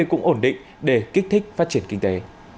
cũng ổn định để kích thích phát triển kinh tế